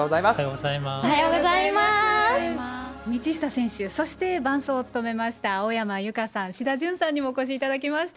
道下選手、そして伴走を務めました青山由佳さん、志田淳さんにもお越しいただきました。